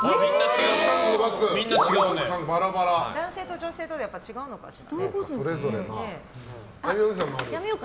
男性と女性で違うのかしら。